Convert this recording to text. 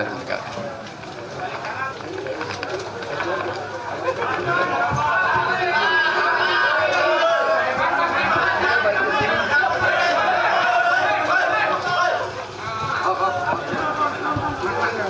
sampai jumpa di video selanjutnya